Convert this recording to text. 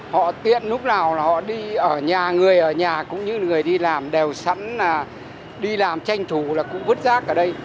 họ tiện lúc nào là họ đi ở nhà người ở nhà cũng như người đi làm đều sẵn đi làm tranh thủ là cũng vứt rác ở đây